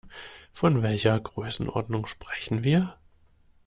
Von welcher Größenordnung sprechen wir?